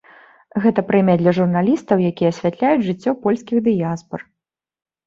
Гэта прэмія для журналістаў, якія асвятляюць жыццё польскіх дыяспар.